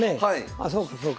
あそうかそうか。